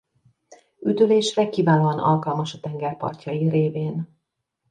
Üdülésre kiválóan alkalmas a tengerpartjai révén.